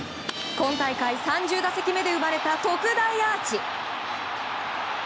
今大会３０打席目で生まれた特大アーチ。